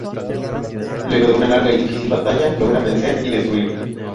Luego de una larga y difícil batalla logran vencer y destruirlo.